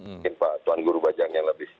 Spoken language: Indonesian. mungkin pak tuan guru bajang yang lebih